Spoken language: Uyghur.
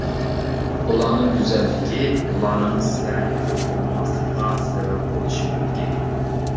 ئۇلارنىڭ گۈزەللىكى، ئۇلارنىڭ سىلەرنى كۆزىگە ئىلماسلىقىغا سەۋەب بولۇشى مۇمكىن.